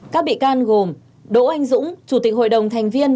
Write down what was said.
các bị can gồm đỗ anh dũng chủ tịch hội đồng thành viên